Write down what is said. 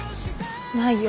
ないよ。